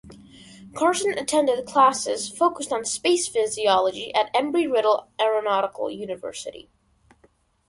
Carson attended classes focused on space physiology at Embry–Riddle Aeronautical University.